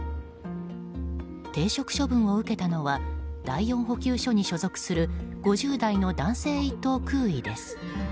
停職処分を受けていたのは第４補給処に所属する５０代の男性１等空尉です。